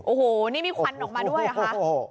โอ้โหนี่มีควันออกมาด้วยเหรอคะ